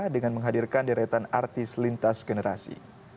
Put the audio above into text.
dengan menghadirkan deretan artis lintas generasi